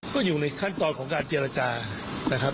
ก็อยู่ในขั้นตอนของการเจรจานะครับ